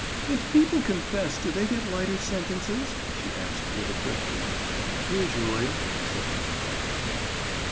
"If people confess do they get lighter sentences?" she asked with a quick breath. "Usually," said the monocle man.